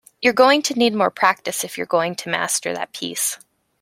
You're going to need more practice if you're going to master that piece.